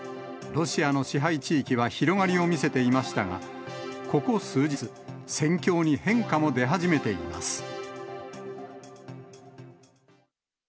ロシアの支配地域は広がりを見せていましたが、ここ数日、戦況に変化も出始めています。